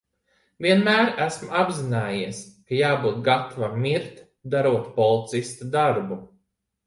Vienmēr esmu apzinājies, ka jābūt gatavam mirt, darot policista darbu.